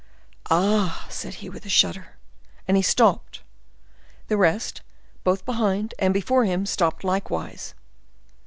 "Ah!" said he with a shudder. And he stopped. The rest, both behind and before him, stopped likewise.